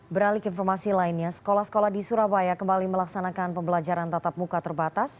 beralik informasi lainnya sekolah sekolah di surabaya kembali melaksanakan pembelajaran tatap muka terbatas